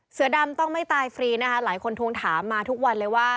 เสือดำต้องไม่ตายฟรีนะคะหลายคนทวงถามมาทุกวันเลยว่า